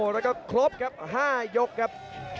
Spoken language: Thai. แล้วก็ครบครับ๕ยกครับ